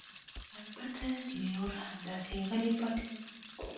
البته ځیني نور همداسې غلي پاتې ول.